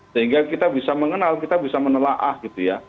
sehingga kita bisa mengenal kita bisa menelaah gitu ya